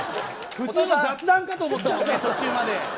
普通の雑談かと思ったよね、途中まで。